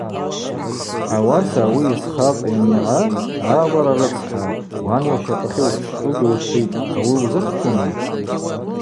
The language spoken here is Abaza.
Ауаса ауи Исхакъ йанигӏа: А, уара рыцхӏа, уан лщапӏахьы ушщтӏугьи ушвитӏ, ауи узыхчума?